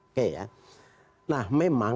oke ya nah memang